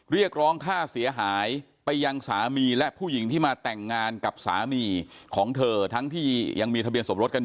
๒เรียกร้องค่าเสียหายไปยังสามีและผู้หญิงที่มาแต่งงานสามีของเธอ